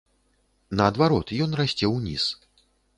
Наадварот, ён расце ўніз.